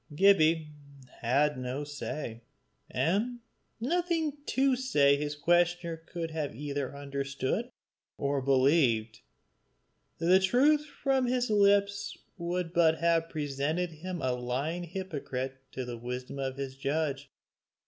Gibbie had no say and nothing to say that his questioner could either have understood or believed; the truth from his lips would but have presented him a lying hypocrite to the wisdom of his judge.